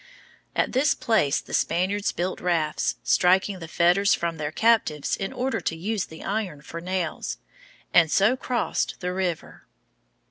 At this place the Spaniards built rafts, striking the fetters from their captives in order to use the iron for nails, and so crossed the river.